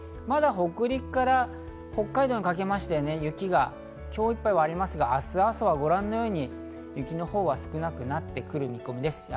まだ北陸から北海道にかけまして雪が今日いっぱいはありますが、明日、朝はご覧のように雪のほうは少なくなってくる見込みです。